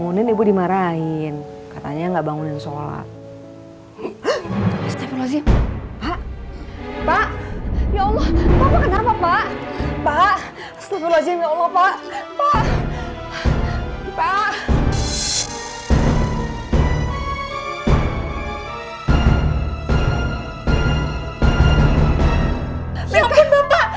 udah bocet belum ya